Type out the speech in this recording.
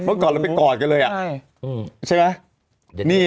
ก่อนเราไปกอดกันเลยใช่ไหม